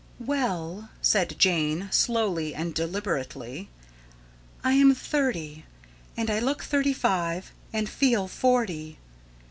"Well," said Jane slowly and deliberately, "I am thirty; and I look thirty five, and feel forty.